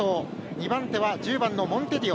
２番手は１０番モンテディオ。